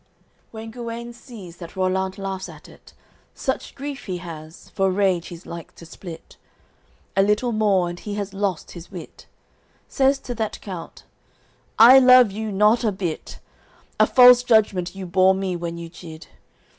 AOI. XXII When Guenes sees that Rollant laughs at it, Such grief he has, for rage he's like to split, A little more, and he has lost his wit: Says to that count: "I love you not a bit; A false judgement you bore me when you chid.